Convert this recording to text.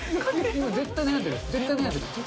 絶対悩んでる。